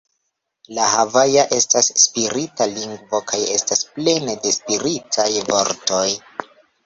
La havaja estas spirita lingvo kaj estas plene de spiritaj vortoj.